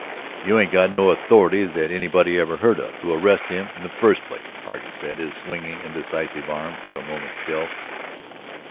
"You ain't got no authority, that anybody ever heard of, to arrest him in the first place," Hargus added, his swinging, indecisive arm for a moment still.